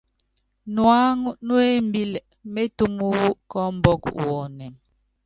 Nuáŋu nú embíli métúm wu kɔ́ɔmbɔk wɔnɛ́m.